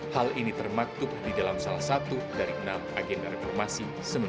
hal ini termaktub di dalam salah satu dari enam agenda reformasi seribu sembilan ratus empat puluh lima